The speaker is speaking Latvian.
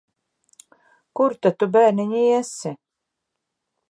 Kur tad tu, bērniņ, iesi?